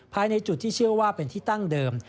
ภายในจุดที่เชื่อว่าเป็นที่ตั้งเดิม